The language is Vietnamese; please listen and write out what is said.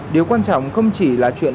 điều quan trọng không chỉ là chuyện